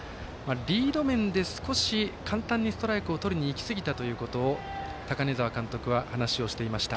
リード面で、少し簡単にストライクをとりにいきすぎたということを高根澤監督は話をしていました。